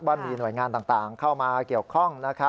ว่ามีหน่วยงานต่างเข้ามาเกี่ยวข้อง